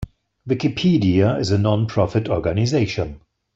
Wikipedia is a non-profit organization.